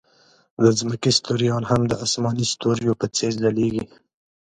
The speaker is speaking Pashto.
د ځمکې ستوریان هم د آسماني ستوریو په څېر ځلېږي.